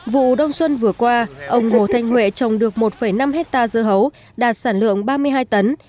vụ đông xuân vừa qua ông hồ thanh huệ trồng được một năm hectare dưa hấu đạt sản lượng ba mươi hai tấn